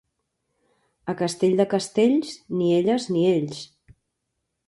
A Castell de Castells, ni elles ni ells.